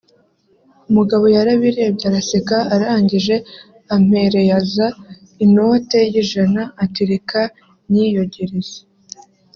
umugabo yarabirebye araseka arangije ampereaza inote y’ijana ati reka nyiyogereze